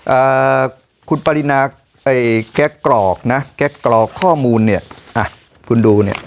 อ่าคุณปรินาเอ่ยแกะกรอกนะแกะกรอกข้อมูลเนี้ยอ่ะคุณดูเนี้ยอ่า